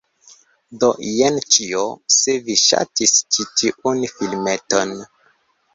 Do jen ĉio! Se vi ŝatis ĉi tiun filmeton